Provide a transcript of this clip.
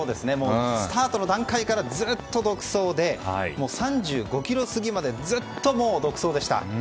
スタートの段階からずっと独走で３５ｋｍ過ぎまでずっと独走でした。